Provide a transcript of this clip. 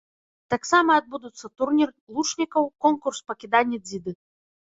Таксама адбудуцца турнір лучнікаў, конкурс па кіданні дзіды.